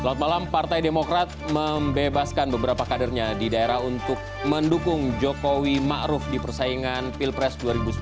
selamat malam partai demokrat membebaskan beberapa kadernya di daerah untuk mendukung jokowi ⁇ maruf ⁇ di persaingan pilpres dua ribu sembilan belas